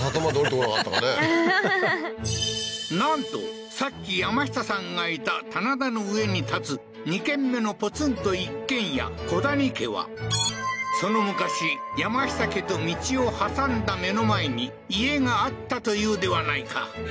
ははははっなんとさっき山下さんがいた棚田の上に建つ２軒目のポツンと一軒家古谷家はその昔山下家と道を挟んだ目の前に家があったというではないか